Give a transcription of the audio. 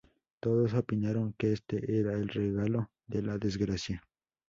Todos opinaron que este era el regalo de la desgracia.